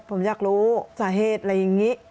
ผมอยากรู้สาเหตุอะไรอย่างนี้